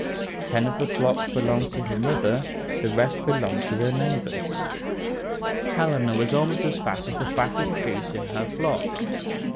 Ten of the flock belonged to her mother, the rest belonged to the neighbors. Helena was almost as fat as the fattest goose in her flock.